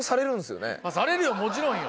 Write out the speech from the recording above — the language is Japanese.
されるよもちろんよ。